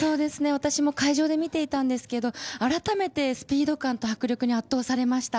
私も会場で見ていたんですけどあらためてスピード感と迫力に圧倒されました。